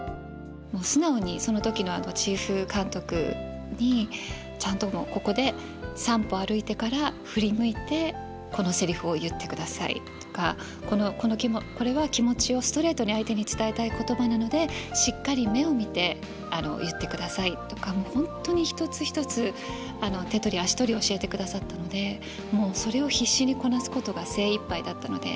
もう素直にその時のチーフ監督にちゃんともう「ここで３歩歩いてから振り向いてこのセリフを言ってください」とか「これは気持ちをストレートに相手に伝えたい言葉なのでしっかり目を見て言ってください」とかもう本当に一つ一つ手取り足取り教えてくださったのでもうそれを必死にこなすことが精いっぱいだったので。